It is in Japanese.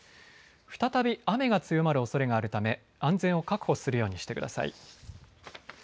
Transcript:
再び雨が強まるおそれがあるため安全を確保するようにしてください。